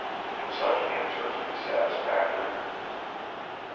Can such answers be satisfactory?